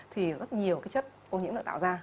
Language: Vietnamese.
thì rất nhiều cái chất ô nhiễm lại tạo ra